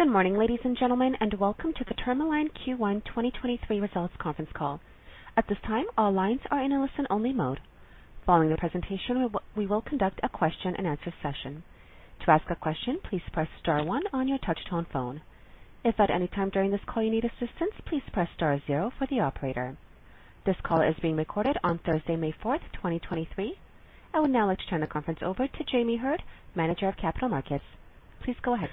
Good morning, ladies and gentlemen. Welcome to the Tourmaline Q1 2023 results conference call. At this time, all lines are in a listen only mode. Following the presentation, we will conduct a question and answer session. To ask a question, please press star one on your touchtone phone. If at any time during this call you need assistance, please press star zero for the operator. This call is being recorded on Thursday, May 4th, 2023. I will now like to turn the conference over to Jamie Heard, Manager of Capital Markets. Please go ahead.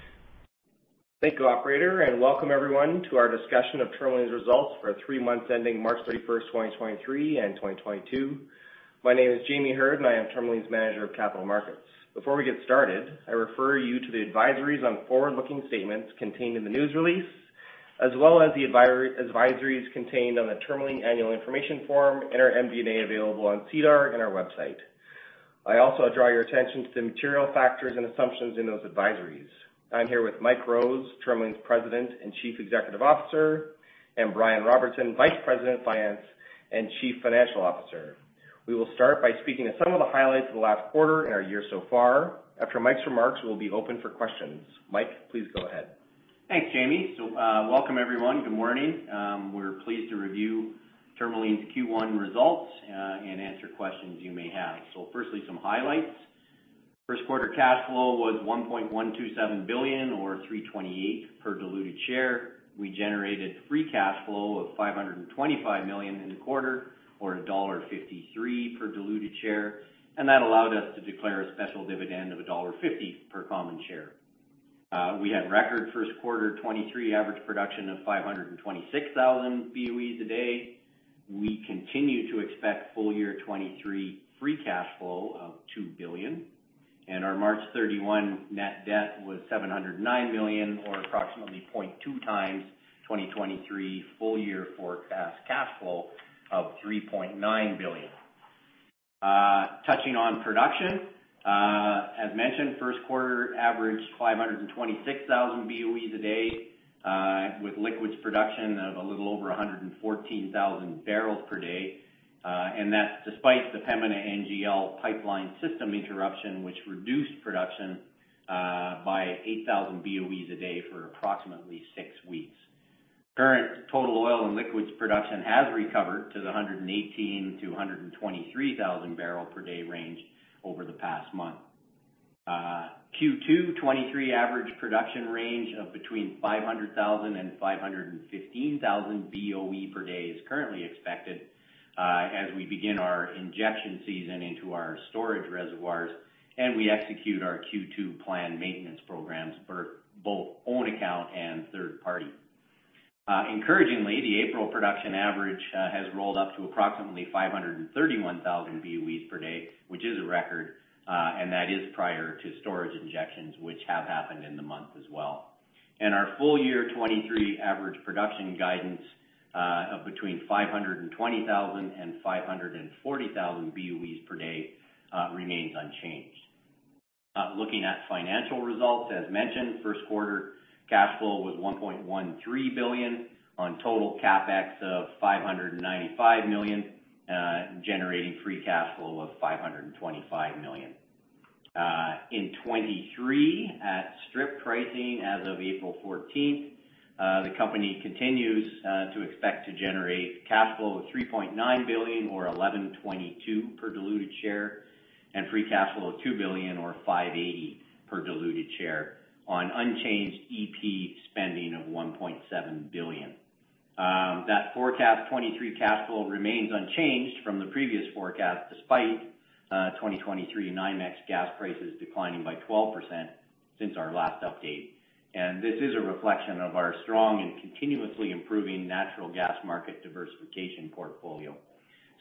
Thank you, operator, welcome everyone to our discussion of Tourmaline's results for the three months ending March 31st, 2023 and 2022. My name is Jamie Heard, I am Tourmaline's Manager of Capital Markets. Before we get started, I refer you to the advisories on forward-looking statements contained in the news release, as well as the advisories contained on the Tourmaline annual information form and our MD&A available on SEDAR in our website. I also draw your attention to the material factors and assumptions in those advisories. I'm here with Mike Rose, Tourmaline's President and Chief Executive Officer, Brian Robinson, Vice President of Finance and Chief Financial Officer. We will start by speaking to some of the highlights of the last quarter and our year so far. After Mike's remarks, we'll be open for questions. Mike, please go ahead. Thanks, Jamie. Welcome everyone. Good morning. We're pleased to review Tourmaline's Q1 results and answer questions you may have. Firstly, some highlights. First quarter cash flow was $1.127 billion or $3.28 per diluted share. We generated free cash flow of $525 million in the quarter or $1.53 per diluted share. That allowed us to declare a special dividend of $1.50 per common share. We had record first quarter 2023 average production of 526,000 BOEs a day. We continue to expect full year 2023 free cash flow of $2 billion. Our March 31 net debt was $709 million or approximately 0.2x 2023 full year forecast cash flow of $3.9 billion. Touching on production, as mentioned, first quarter averaged 526,000 BOEs a day, with liquids production of a little over 114,000 barrels per day. That's despite the Pembina NGL pipeline system interruption, which reduced production by 8,000 BOEs a day for approximately six weeks. Current total oil and liquids production has recovered to the 118,000-123,000 barrel per day range over the past month. Q2 '23 average production range of between 500,000 and 515,000 BOE per day is currently expected, as we begin our injection season into our storage reservoirs and we execute our Q2 plan maintenance programs for both own account and third party. Encouragingly, the April production average has rolled up to approximately 531,000 BOEs per day, which is a record, and that is prior to storage injections, which have happened in the month as well. Our full year 2023 average production guidance of between 520,000 and 540,000 BOEs per day remains unchanged. Looking at financial results, as mentioned, first quarter cash flow was 1.13 billion on total CapEx of 595 million, generating free cash flow of 525 million. In 23 at strip pricing as of April 14th, the company continues to expect to generate cash flow of 3.9 billion or 11.22 per diluted share and free cash flow of 2 billion or 5.80 per diluted share on unchanged EP spending of 1.7 billion. That forecast 23 cash flow remains unchanged from the previous forecast despite 2023 NYMEX gas prices declining by 12% since our last update. This is a reflection of our strong and continuously improving natural gas market diversification portfolio.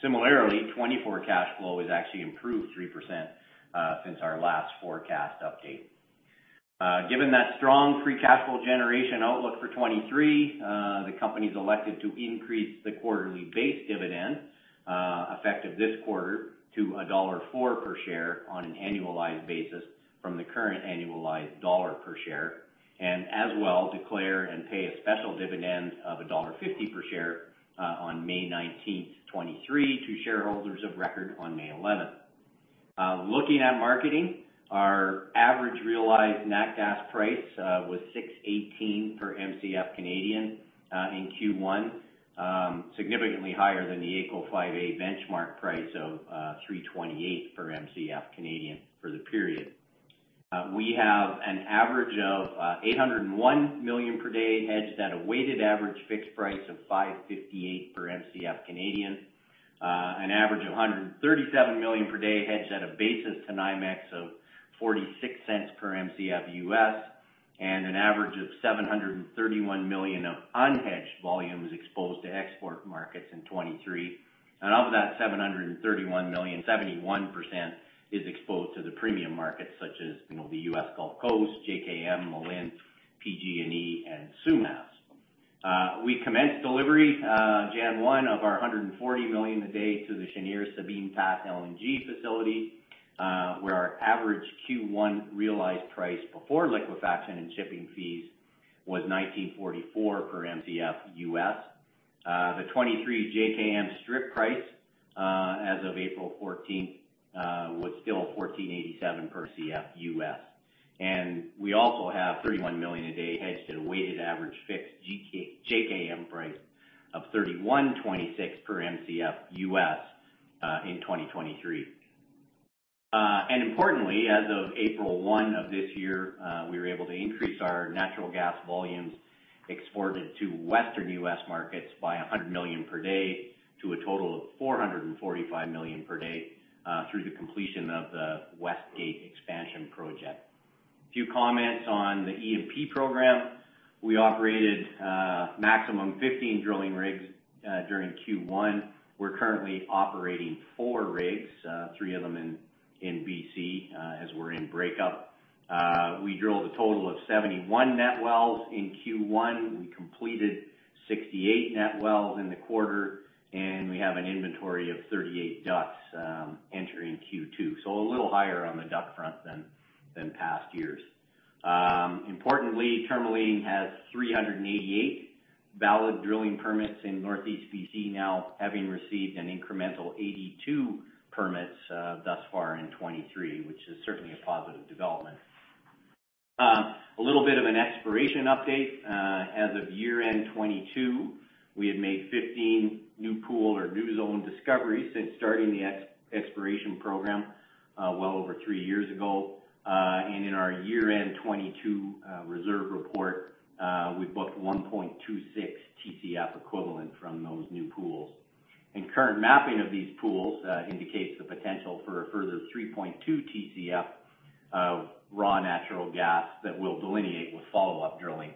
Similarly, 24 cash flow has actually improved 3% since our last forecast update. Given that strong free cash flow generation outlook for 2023, the company's elected to increase the quarterly base dividend, effective this quarter to dollar 1.04 per share on an annualized basis from the current annualized CAD 1.00 per share. As well, declare and pay a special dividend of dollar 1.50 per share on May 19, 2023 to shareholders of record on May 11. Looking at marketing, our average realized Nat gas price was 6.18 per Mcf in Q1, significantly higher than the AECO 5A benchmark price of 3.28 per Mcf for the period. We have an average of 801 million per day hedged at a weighted average fixed price of 5.58 per Mcf. An average of 137 million per day hedged at a basis to NYMEX of $0.46 per Mcf U.S. and an average of 731 million of unhedged volumes exposed to export markets in 2023. Of that 731 million, 71% is exposed to the premium markets such as, you know, the U.S. Gulf Coast, JKM, Malin, PG&E and Sumas. We commenced delivery January 1 of our 140 million a day to the Cheniere Sabine Pass LNG facility, where our average Q1 realized price before liquefaction and shipping fees was $19.44 per Mcf U.S.. The 2023 JKM strip price, as of April 14, was still $14.87 per Mcf U.S. We also have 31 million a day hedged at a weighted average fixed JKM price of $31.26 per Mcf in 2023. Importantly, as of April 1 of this year, we were able to increase our natural gas volumes exported to Western U.S. markets by 100 million per day to a total of 445 million per day through the completion of the West Gate expansion project. A few comments on the E&P program. We operated maximum 15 drilling rigs during Q1. We're currently operating four rigs, three of them in BC, as we're in breakup. We drilled a total of 71 net wells in Q1. We completed 68 net wells in the quarter, and we have an inventory of 38 DUCs entering Q2. A little higher on the DUC front than past years. Importantly, Tourmaline has 388 valid drilling permits in Northeast BC now, having received an incremental 82 permits, thus far in 2023, which is certainly a positive development. A little bit of an exploration update. As of year-end 2022, we have made 15 new pool or new zone discoveries since starting the exploration program, well over three years ago. In our year-end 2022, reserve report, we booked 1.26 Tcf equivalent from those new pools. Current mapping of these pools, indicates the potential for a further 3.2 Tcf of raw natural gas that we'll delineate with follow-up drilling,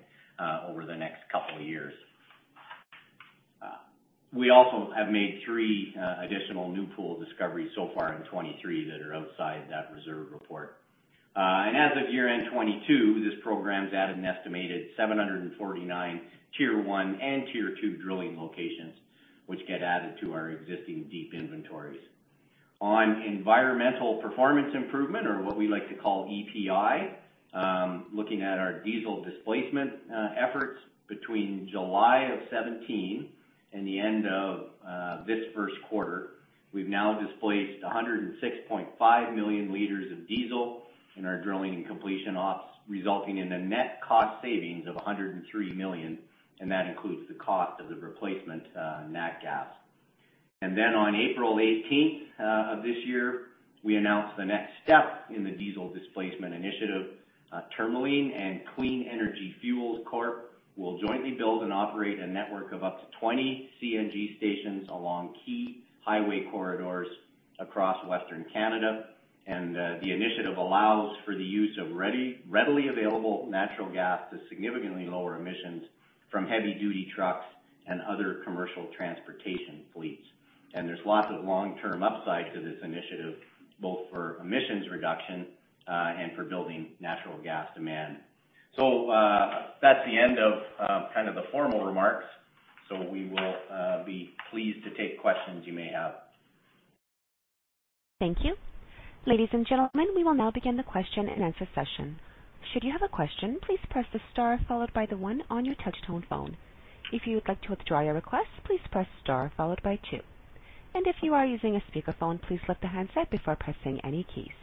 over the next couple of years. We also have made three additional new pool discoveries so far in 2023 that are outside that reserve report. As of year-end 2022, this program's added an estimated 749 tier one and tier two drilling locations, which get added to our existing deep inventories. On environmental performance improvement or what we like to call EPI, looking at our diesel displacement efforts between July of 2017 and the end of this first quarter, we've now displaced 106.5 million liters of diesel in our drilling and completion ops, resulting in a net cost savings of 103 million, and that includes the cost of the replacement nat gas. On April 18th of this year, we announced the next step in the diesel displacement initiative. Tourmaline and Clean Energy Fuels Corp will jointly build and operate a network of up to 20 CNG stations along key highway corridors across Western Canada. The initiative allows for the use of readily available natural gas to significantly lower emissions from heavy-duty trucks and other commercial transportation fleets. There's lots of long-term upside to this initiative, both for emissions reduction and for building natural gas demand. That's the end of kind of the formal remarks. We will be pleased to take questions you may have. Thank you. Ladies and gentlemen, we will now begin the question-and-answer session. Should you have a question, please press the star followed by the one on your touch-tone phone. If you would like to withdraw your request, please press star followed by two. If you are using a speakerphone, please lift the handset before pressing any keys.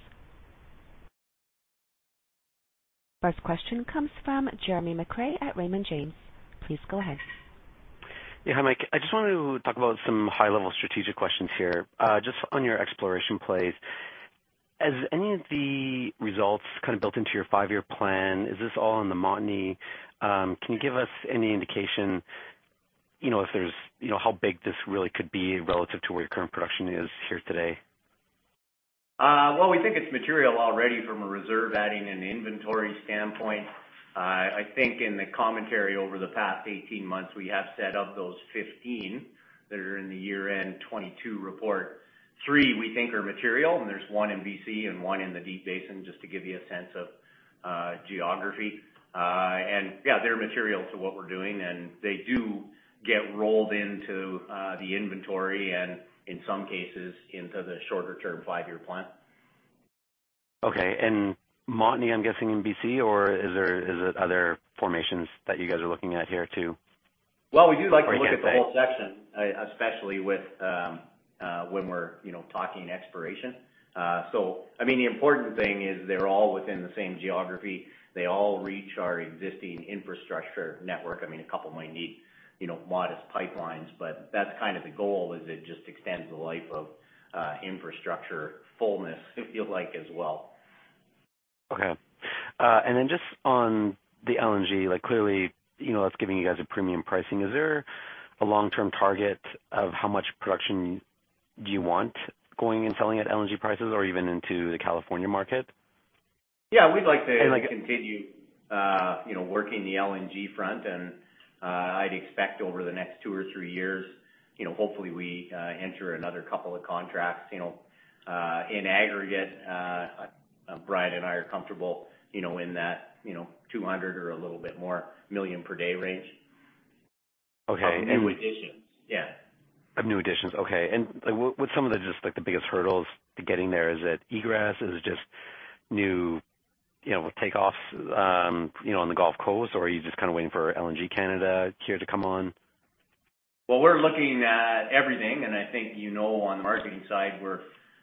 First question comes from Jeremy McCrea at Raymond James. Please go ahead. Yeah, hi, Mike. I just wanted to talk about some high-level strategic questions here. Just on your exploration plays, has any of the results kind of built into your five-year plan, is this all in the Montney? Can you give us any indication, you know, how big this really could be relative to where your current production is here today? Well, we think it's material already from a reserve adding an inventory standpoint. I think in the commentary over the past 18 months, we have set up those 15 that are in the year-end 22 report. three, we think are material, there's one in BC and one in the Deep Basin, just to give you a sense of geography. Yeah, they're material to what we're doing, and they do get rolled into the inventory and in some cases into the shorter-term five year plan. Okay. Montney, I'm guessing, in BC, or is it other formations that you guys are looking at here too? We do like to look at the whole section, especially with, when we're, you know, talking exploration. I mean, the important thing is they're all within the same geography. They all reach our existing infrastructure network. I mean, a couple might need, you know, modest pipelines, but that's kind of the goal, is it just extends the life of infrastructure fullness, if you like, as well. Okay. Just on the LNG, like clearly, you know, that's giving you guys a premium pricing. Is there a long-term target of how much production do you want going and selling at LNG prices or even into the California market? Yeah. And like continue, you know, working the LNG front. I'd expect over the next two or three years, you know, hopefully we, enter another couple of contracts, you know. In aggregate, Brian and I are comfortable, you know, in that, you know, 200 or a little bit more million per day range. Okay. Of new additions. Yeah. Of new additions. Okay. What's some of the just like the biggest hurdles to getting there? Is it egress? Is it just new? You know, with takeoffs, you know, on the Gulf Coast, or are you just kind of waiting for LNG Canada here to come on? Well, we're looking at everything, and I think you know, on the marketing side, we're,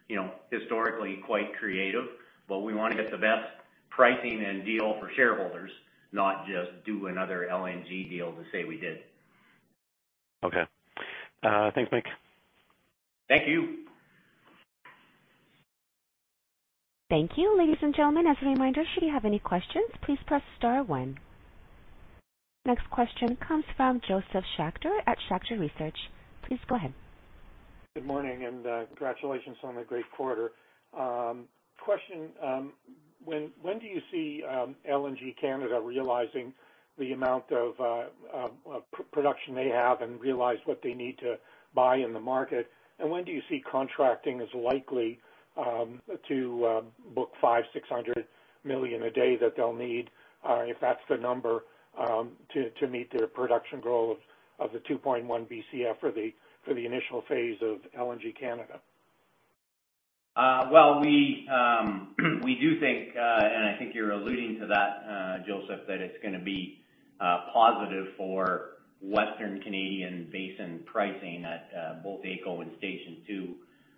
you know, historically quite creative, but we want to get the best pricing and deal for shareholders, not just do another LNG deal to say we did. Okay. thanks, Mike. Thank you. Thank you. Ladies and gentlemen, as a reminder, should you have any questions, please press star one. Next question comes from Josef Schachter at Schachter Research. Please go ahead. Good morning, and congratulations on the great quarter. Question, when do you see LNG Canada realizing the amount of production they have and realize what they need to buy in the market? When do you see contracting as likely to book 500-600 million a day that they'll need if that's the number to meet their production goal of the 2.1 BCF for the initial phase of LNG Canada? Well, we do think, and I think you're alluding to that, Josef, that it's gonna be positive for western Canadian basin pricing at both AECO and Station 2,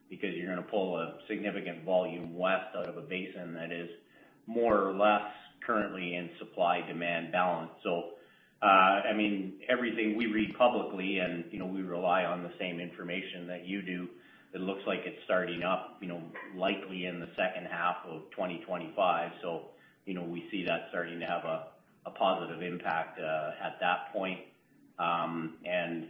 because you're gonna pull a significant volume west out of a basin that is more or less currently in supply demand balance. I mean, everything we read publicly and, you know, we rely on the same information that you do. It looks like it's starting up, you know, likely in the second half of 2025. You know, we see that starting to have a positive impact at that point.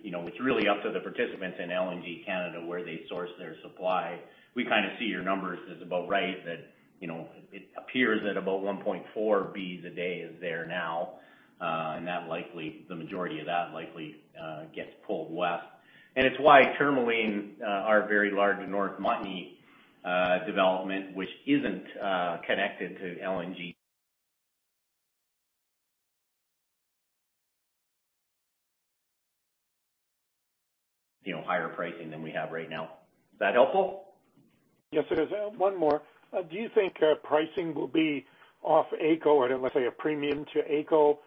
You know, it's really up to the participants in LNG Canada, where they source their supply. We kinda see your numbers as about right, that, you know, it appears that about 1.4 BCF a day is there now. That likely the majority of that likely gets pulled west. It's why Tourmaline, our very large North Montney development, which isn't connected to LNG. You know, higher pricing than we have right now. Is that helpful? Yes, it is. One more. Do you think pricing will be off AECO or let's say a premium to AECO?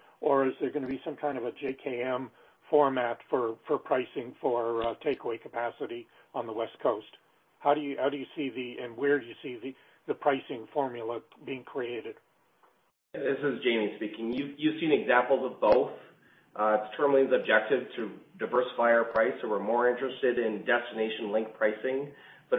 Is there gonna be some kind of a JKM format for pricing for takeaway capacity on the West Coast? How do you see the, and where do you see the pricing formula being created? This is Jamie speaking. You've seen examples of both. It's Tourmaline's objective to diversify our price. We're more interested in destination-linked pricing.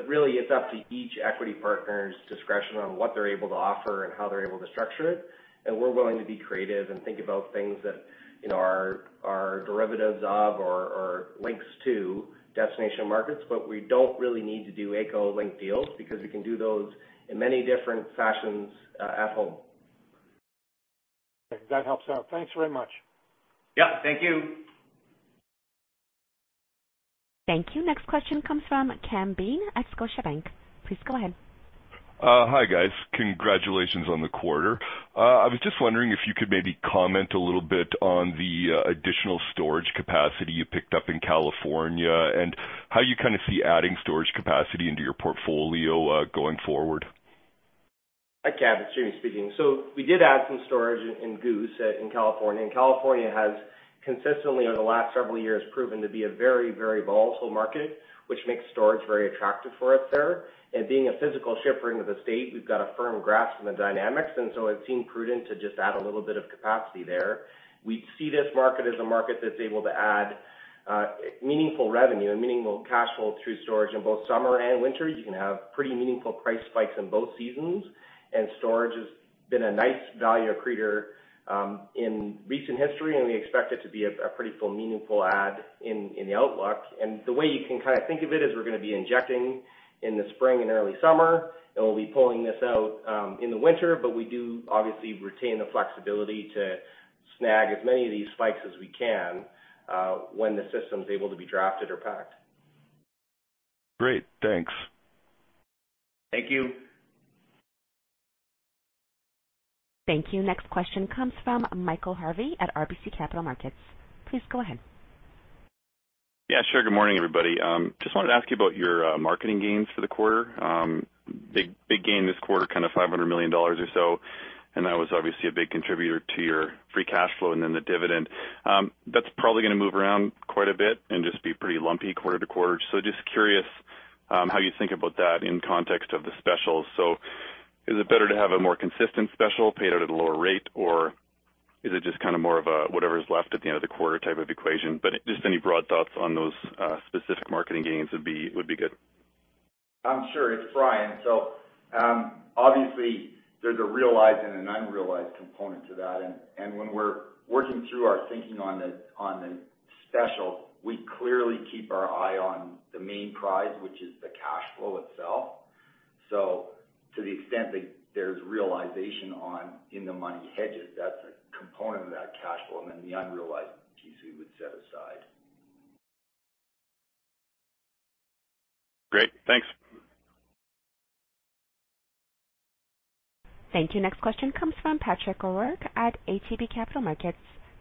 Really it's up to each equity partner's discretion on what they're able to offer and how they're able to structure it. We're willing to be creative and think about things that, you know, are derivatives of or links to destination markets. We don't really need to do AECO link deals because we can do those in many different fashions at home. That helps out. Thanks very much. Yeah, thank you. Thank you. Next question comes from Cameron Bean at Scotiabank. Please go ahead. Hi, guys. Congratulations on the quarter. I was just wondering if you could maybe comment a little bit on the additional storage capacity you picked up in California and how you kind of see adding storage capacity into your portfolio going forward? Hi, Cam, it's Jamie speaking. We did add some storage in Goose in California, and California has consistently over the last several years proven to be a very, very volatile market, which makes storage very attractive for us there. Being a physical shipper into the state, we've got a firm grasp on the dynamics and so it seemed prudent to just add a little bit of capacity there. We see this market as a market that's able to add meaningful revenue and meaningful cash flow through storage in both summer and winter. You can have pretty meaningful price spikes in both seasons, and storage has been a nice value creator in recent history, and we expect it to be a pretty full meaningful add in the outlook. The way you can kinda think of it is we're gonna be injecting in the spring and early summer, and we'll be pulling this out in the winter. We do obviously retain the flexibility to snag as many of these spikes as we can when the system's able to be drafted or packed. Great. Thanks. Thank you. Thank you. Next question comes from Michael Harvey at RBC Capital Markets. Please go ahead. Yeah, sure. Good morning, everybody. Just wanted to ask you about your marketing gains for the quarter. Big gain this quarter, kind of 500 million dollars or so, and that was obviously a big contributor to your free cash flow and then the dividend. That's probably gonna move around quite a bit and just be pretty lumpy quarter to quarter. Just curious how you think about that in context of the specials. Is it better to have a more consistent special paid out at a lower rate, or is it just kind of more of a whatever's left at the end of the quarter type of equation? Just any broad thoughts on those specific marketing gains would be good. I'm sure it's Brian. Obviously there's a realized and an unrealized component to that. When we're working through our thinking on the special, we clearly keep our eye on the main prize, which is the cash flow itself. To the extent that there's realization on in the money hedges, that's a component of that cash flow, and then the unrealized piece we would set aside. Great. Thanks. Thank you. Next question comes from Patrick O'Rourke at ATB Capital Markets.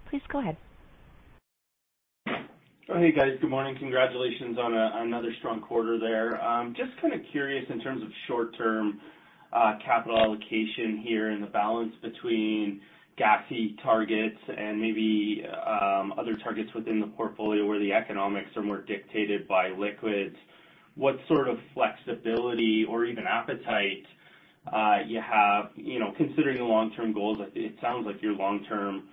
Please go ahead. Hey guys. Good morning. Congratulations on another strong quarter there. Just kinda curious in terms of short-term capital allocation here and the balance between gassy targets and maybe other targets within the portfolio where the economics are more dictated by liquids. What sort of flexibility or even appetite you have, you know, considering the long-term goals, it sounds like your long-term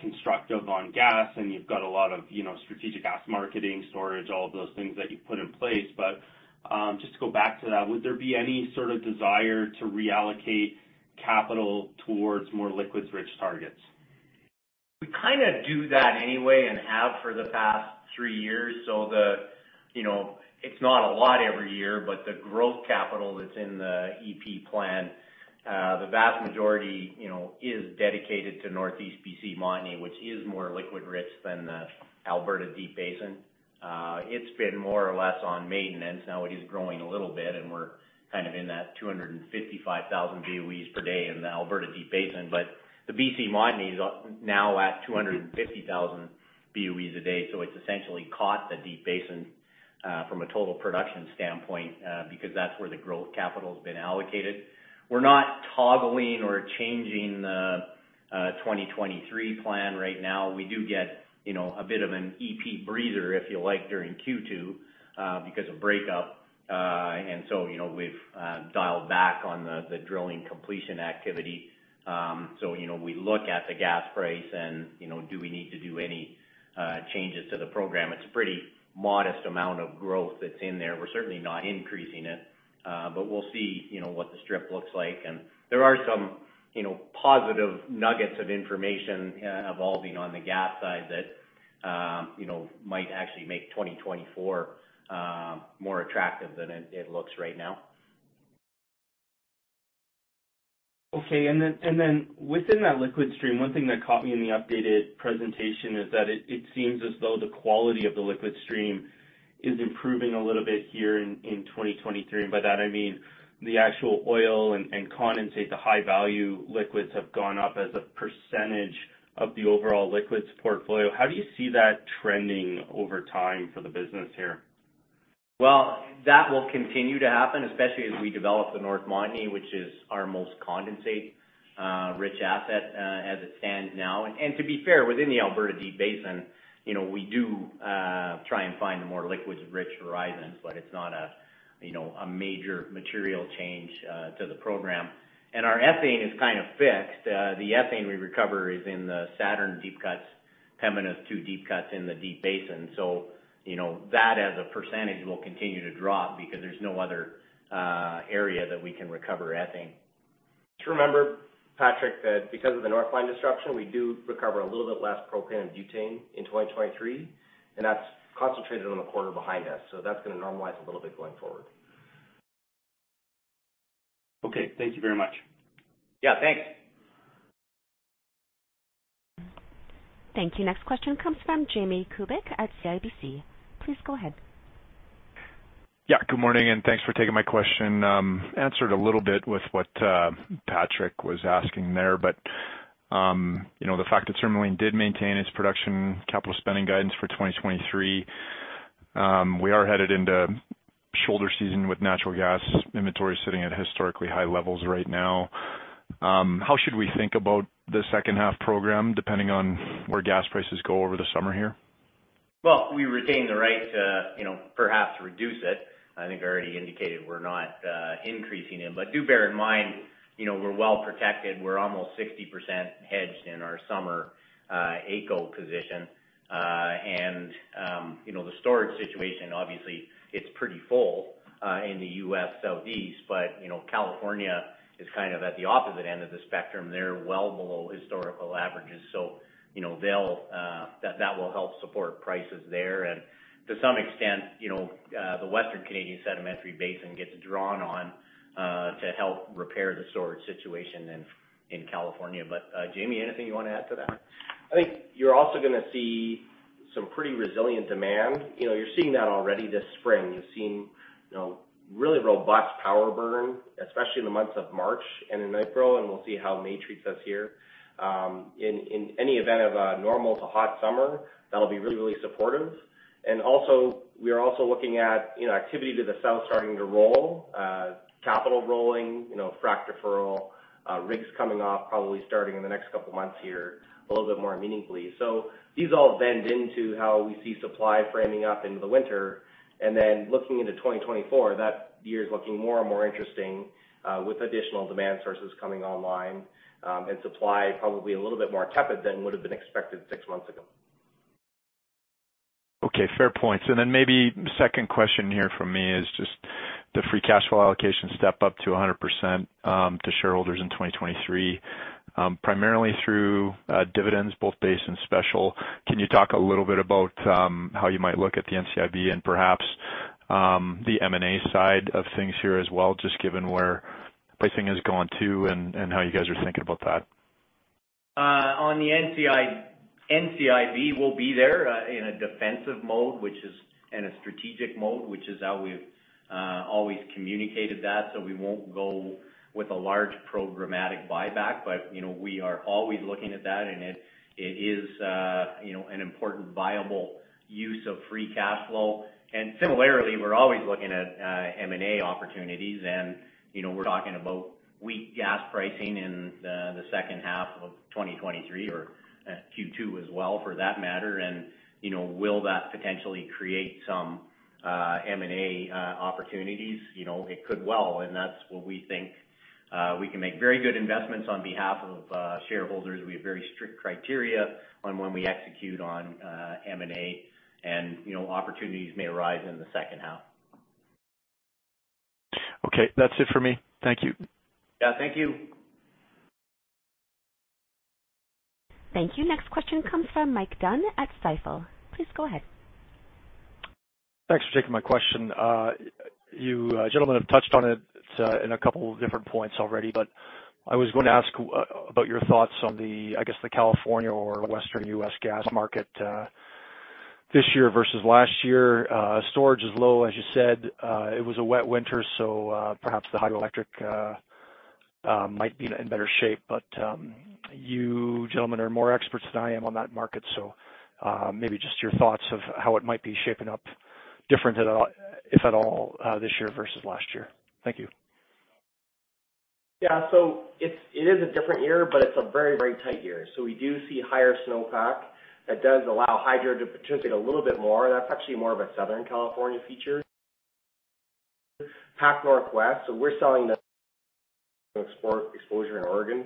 constructive on gas and you've got a lot of, you know, strategic gas marketing storage, all of those things that you've put in place? Just to go back to that, would there be any sort of desire to reallocate capital towards more liquids-rich targets? We kinda do that anyway and have for the past three years. The, you know, it's not a lot every year, but the growth capital that's in the EP plan, the vast majority, you know, is dedicated to Northeast BC Montney, which is more liquid-rich than the Alberta Deep Basin. It's been more or less on maintenance. Now it is growing a little bit, and we're kind of in that 255,000 BOEs per day in the Alberta Deep Basin. The BC Montney is now at 250,000 BOEs a day, so it's essentially caught the Deep Basin, from a total production standpoint, because that's where the growth capital's been allocated. We're not toggling or changing the 2023 plan right now. We do get, you know, a bit of an EP breather, if you like, during Q2, because of breakup. You know, we've dialed back on the drilling completion activity. You know, we look at the gas price and, you know, do we need to do any changes to the program? It's pretty modest amount of growth that's in there. We're certainly not increasing it, but we'll see, you know, what the strip looks like. There are some, you know, positive nuggets of information evolving on the gas side that, you know, might actually make 2024 more attractive than it looks right now. Okay. Then, within that liquid stream, one thing that caught me in the updated presentation is that it seems as though the quality of the liquid stream is improving a little bit here in 2023. By that I mean the actual oil and condensate, the high value liquids have gone up as a % of the overall liquids portfolio. How do you see that trending over time for the business here? That will continue to happen, especially as we develop the North Montney, which is our most condensate rich asset as it stands now. To be fair, within the Alberta Deep Basin, you know, we do try and find more liquids rich horizons, but it's not a, you know, a major material change to the program. Our ethane is kind of fixed. The ethane we recover is in the Saturn deep cuts, Pembina's two deep cuts in the Deep Basin. You know, that as a percentage will continue to drop because there's no other area that we can recover ethane. Just remember, Patrick, that because of the North Line disruption, we do recover a little bit less propane and butane in 2023, and that's concentrated on the quarter behind us, so that's gonna normalize a little bit going forward. Okay. Thank you very much. Yeah, thanks. Thank you. Next question comes from Jamie Kubik at CIBC. Please go ahead. Yeah. Good morning, and thanks for taking my question. Answered a little bit with what, Patrick was asking there, but, you know, the fact that Cenovus did maintain its production capital spending guidance for 2023, we are headed into shoulder season with natural gas inventory sitting at historically high levels right now. How should we think about the second half program depending on where gas prices go over the summer here? Well, we retain the right to, you know, perhaps reduce it. I think I already indicated we're not increasing it. Do bear in mind, you know, we're well protected. We're almost 60% hedged in our summer AECO position. You know, the storage situation, obviously, it's pretty full in the U.S. Southeast, but, you know, California is kind of at the opposite end of the spectrum. They're well below historical averages. You know, they'll that will help support prices there. To some extent, you know, the Western Canadian Sedimentary Basin gets drawn on to help repair the storage situation in California. Jamie, anything you wanna add to that? I think you're also gonna see some pretty resilient demand. You know, you're seeing that already this spring. You've seen, you know, really robust power burn, especially in the months of March and in April, and we'll see how May treats us here. In any event of a normal to hot summer, that'll be really, really supportive. Also, we are also looking at, you know, activity to the south starting to roll, capital rolling, you know, frack deferral, rigs coming off probably starting in the next couple months here a little bit more meaningfully. These all bend into how we see supply framing up into the winter. Looking into 2024, that year is looking more and more interesting, with additional demand sources coming online, and supply probably a little bit more tepid than would've been expected 6 months ago. Okay. Fair points. Then maybe second question here from me is just the free cash flow allocation step up to 100% to shareholders in 2023, primarily through dividends, both base and special. Can you talk a little bit about how you might look at the NCIB and perhaps the M&A side of things here as well, just given where pricing is going too and how you guys are thinking about that? On the NCIB, we'll be there in a defensive mode, which is in a strategic mode, which is how we've always communicated that. We won't go with a large programmatic buyback. You know, we are always looking at that, and it is, you know, an important viable use of free cash flow. Similarly, we're always looking at M&A opportunities and, you know, we're talking about weak gas pricing in the second half of 2023 or Q2 as well for that matter. You know, will that potentially create some M&A opportunities? You know, it could well, and that's what we think. We can make very good investments on behalf of shareholders. We have very strict criteria on when we execute on M&A and, you know, opportunities may arise in the second half. Okay. That's it for me. Thank you. Yeah. Thank you. Thank you. Next question comes from Mike Dunn at Stifel. Please go ahead. Thanks for taking my question. You gentlemen have touched on it in a couple of different points already. I was going to ask about your thoughts on the, I guess, the California or Western U.S. gas market, this year versus last year. Storage is low, as you said. It was a wet winter, so perhaps the hydroelectric might be in better shape. You gentlemen are more experts than I am on that market. Maybe just your thoughts of how it might be shaping up different if at all, this year versus last year. Thank you. It is a different year, but it's a very, very tight year. We do see higher snowpack that does allow hydro to participate a little bit more. That's actually more of a Southern California feature. Pac Northwest, so we're selling the export exposure in Oregon,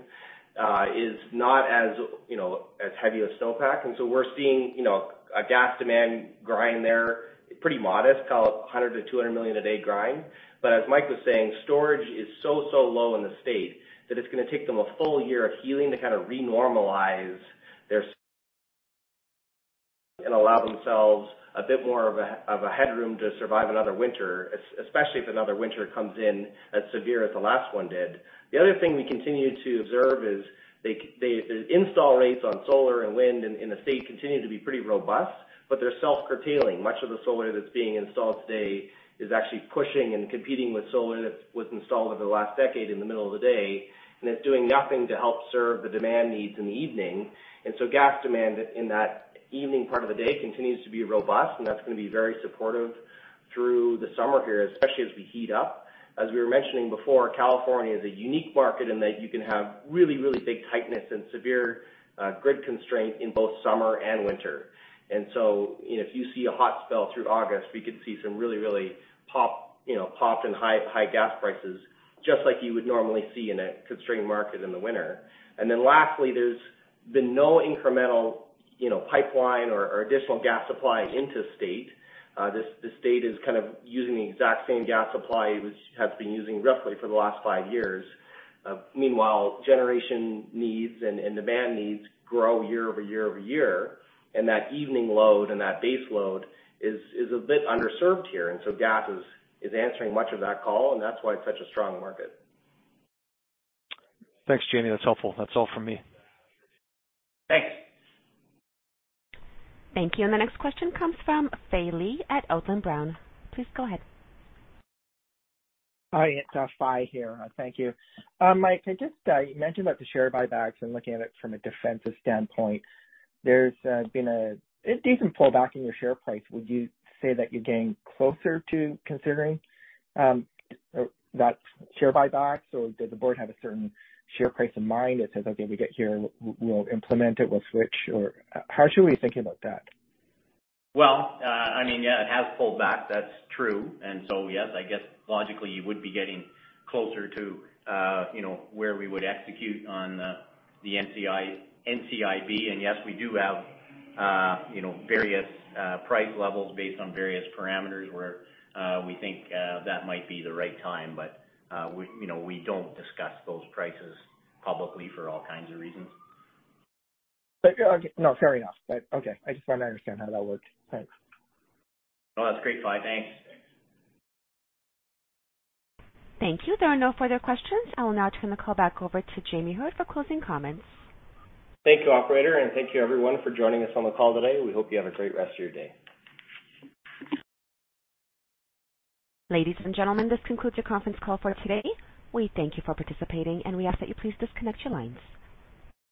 is not as, you know, as heavy a snowpack. We're seeing, you know, a gas demand grind there, pretty modest, call it 100 million-200 million a day grind. As Mike Rose was saying, storage is so low in the state that it's gonna take them a full year of healing to kinda re-normalize their and allow themselves a bit more of a headroom to survive another winter, especially if another winter comes in as severe as the last one did. The other thing we continue to observe is the install rates on solar and wind in the state continue to be pretty robust, but they're self-curtailing. Much of the solar that's being installed today is actually pushing and competing with solar that was installed over the last decade in the middle of the day. It's doing nothing to help serve the demand needs in the evening. Gas demand in that evening part of the day continues to be robust, and that's gonna be very supportive through the summer here, especially as we heat up. As we were mentioning before, California is a unique market in that you can have really big tightness and severe grid constraint in both summer and winter. If you see a hot spell through August, we could see some really, really pop, you know, pop and high, high gas prices just like you would normally see in a constrained market in the winter. Lastly, there's been no incremental, you know, pipeline or additional gas supply into state. The state is kind of using the exact same gas supply it has been using roughly for the last five years. Meanwhile, generation needs and demand needs grow year over year over year, and that evening load and that base load is a bit underserved here. Gas is answering much of that call, and that's why it's such a strong market. Thanks, Jamie. That's helpful. That's all from me. Thanks. Thank you. The next question comes from Fai Lee at Odlum Brown. Please go ahead. Hi, it's Fai here. Thank you. Mike, I just, you mentioned about the share buybacks and looking at it from a defensive standpoint. There's been a decent pullback in your share price. Would you say that you're getting closer to considering that share buybacks, or does the board have a certain share price in mind that says, "Okay, we get here, we'll implement it, we'll switch," or how should we be thinking about that? Well, I mean, yeah, it has pulled back, that's true. Yes, I guess logically, you would be getting closer to, you know, where we would execute on the NCIB. Yes, we do have, you know, various price levels based on various parameters where we think that might be the right time. We, you know, we don't discuss those prices publicly for all kinds of reasons. Okay. No, fair enough. Okay, I just wanted to understand how that worked. Thanks. No, that's great, Fai. Thanks. Thank you. There are no further questions. I will now turn the call back over to Jamie Heard for closing comments. Thank you, operator, and thank you everyone for joining us on the call today. We hope you have a great rest of your day. Ladies and gentlemen, this concludes your conference call for today. We thank you for participating, and we ask that you please disconnect your lines.